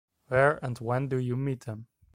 Where and when do you meet them?